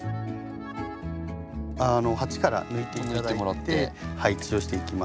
鉢から抜いて頂いて配置をしていきましょう。